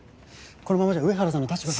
このままじゃ上原さんの立場が。